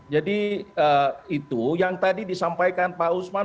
jadi itu yang tadi disampaikan pak usman